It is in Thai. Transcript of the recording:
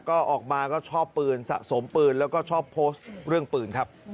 ก็ออกมาก็ชอบปืนสะสมปืนแล้วก็ชอบโพสต์เรื่องปืนครับ